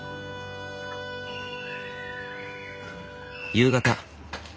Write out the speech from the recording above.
夕方。